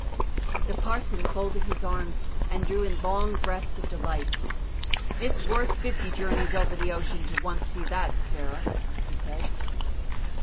The parson folded his arms and drew in long breaths of delight. "It's worth fifty journeys over the ocean to once see that, Sarah," he said.